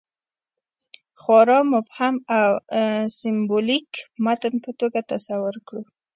خورا مبهم او سېمبولیک متن په توګه تصور کړو.